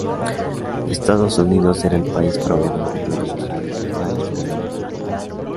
Estados Unidos era el país proveedor de productos principal a escala mundial.